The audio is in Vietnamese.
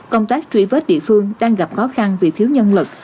công tác truy vết địa phương đang gặp khó khăn vì thiếu nhân lực